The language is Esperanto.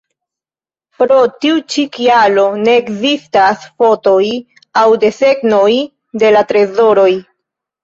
Pro tiu ĉi kialo, ne ekzistas fotoj aŭ desegnoj de la trezoroj.